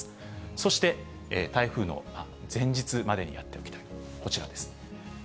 そして台風の前日までにやっておきたい、こちらです。